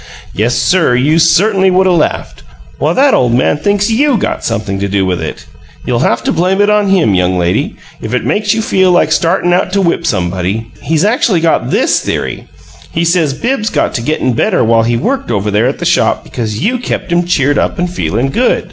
"Yes, sir, you certainly would 'a' laughed! Why, that ole man thinks YOU got something to do with it. You'll have to blame it on him, young lady, if it makes you feel like startin' out to whip somebody! He's actually got THIS theory: he says Bibbs got to gettin' better while he worked over there at the shop because you kept him cheered up and feelin' good.